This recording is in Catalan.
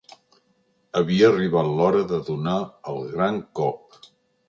Havia arribat l'hora de donar el gran cop.